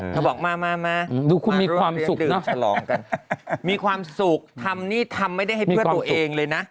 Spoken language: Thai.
เขาบอกมามาดูคุณมีความสุขเนอะฉลองกันมีความสุขทำนี่ทำไม่ได้ให้เพื่อตัวเองเลยนะ